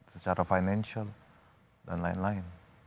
secara financial dan lain lain